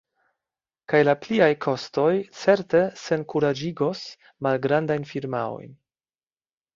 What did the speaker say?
Kaj la pliaj kostoj certe senkuraĝigos malgrandajn firmaojn.